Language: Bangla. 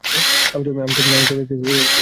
আমি তো দেখছি তোমার ধ্বংস আসন্ন।